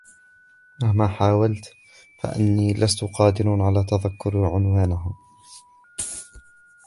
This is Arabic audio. مهما حاولت فإني لست قادرا على تذكر عنوانها.